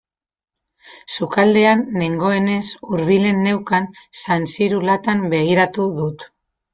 Sukaldean nengoenez hurbilen neukan zainzuri latan begiratu dut.